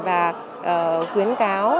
và khuyến cáo